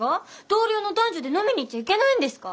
同僚の男女で飲みに行っちゃいけないんですか？